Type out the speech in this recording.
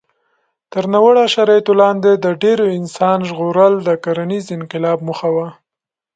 تر ناوړه شرایطو لاندې د ډېرو انسان ژغورل د کرنيز انقلاب موخه وه.